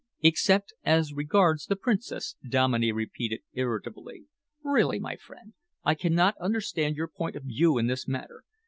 "Except as regards the Princess," Dominey repeated irritably. "Really, my friend, I cannot understand your point of view in this matter.